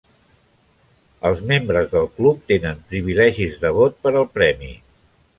Els membres del club tenen privilegis de vot per al premi.